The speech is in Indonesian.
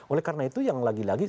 oleh karena itu yang lagi lagi